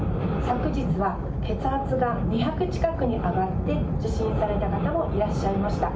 昨日は血圧が２００近くに上がって受診された方もいらっしゃいました。